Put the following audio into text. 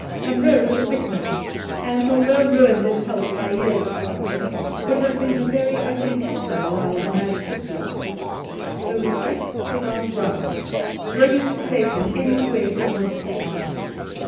Munroe was a big man, and, although ruined in health by years of hard drinking, would have been a very ugly customer while the mad fit lasted ; so we just stood our ground, ready to take him any yo Soltke way he wanted to come.